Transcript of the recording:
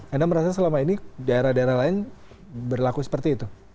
karena selama ini daerah daerah lain berlaku seperti itu